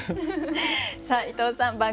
さあ伊藤さん